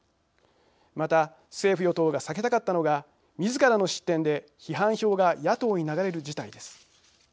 また政府・与党が避けたかったのがみずからの失点で批判票が野党に流れる事態です。